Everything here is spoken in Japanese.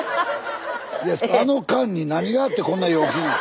いやあの間に何があってこんな陽気に。